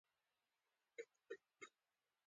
دا بلپ مړ که ويده شه.